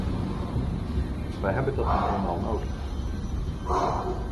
Wij hebben dat nu eenmaal nodig.